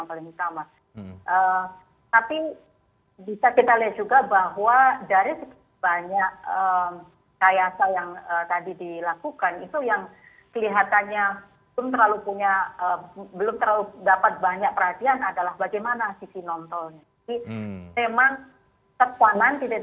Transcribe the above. kemudian diatur jadwal one way